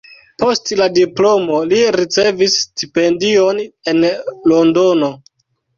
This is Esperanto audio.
Post la diplomo li ricevis stipendion en Londono.